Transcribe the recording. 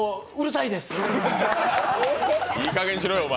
いいかげんにしろよ、お前。